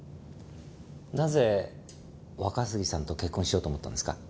なぜ若杉さんと結婚しようと思ったんですか？